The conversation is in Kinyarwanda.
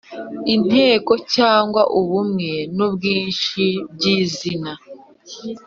inteko cyangwa ubumwe n’ubwinshi by’izina